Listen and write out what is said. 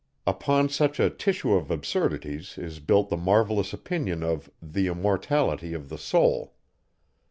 Upon such a tissue of absurdities is built the marvellous opinion of the immortality of the soul.